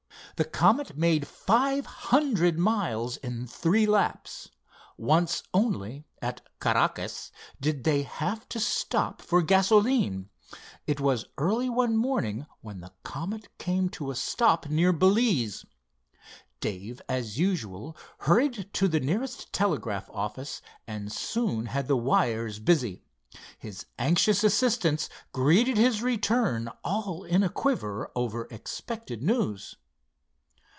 The Comet made five hundred miles in three laps. Once only, at Caracas, did they have to stop for gasoline. It was early one morning when the Comet came to a stop near Belize. Dave as usual hurried to the nearest telegraph office, and soon had the wires busy. His anxious assistants greeted his return all in a quiver over expected news.